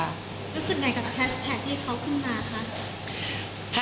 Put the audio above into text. รู้สึกไงกับแฮชแท็กที่เขาขึ้นมาคะ